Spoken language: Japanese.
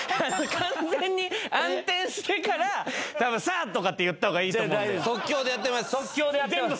完全に暗転してからたぶん「さあ！」とかって言ったほうがいいと思うんだよ。